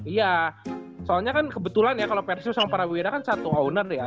iya soalnya kan kebetulan ya kalau persis sama para wira kan satu owner ya